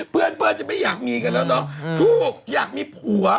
เพื่อนจะไม่อยากมีกันแล้วเนอะถูกอยากมีผัว